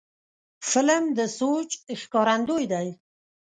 فلم د سوچ ښکارندوی دی